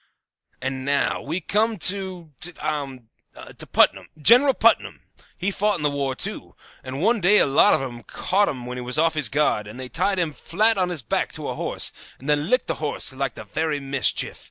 "And now we come to to ah to Putnam, General Putnam: he fought in the war, too; and one day a lot of 'em caught him when he was off his guard, and they tied him flat on his back on a horse and then licked the horse like the very mischief.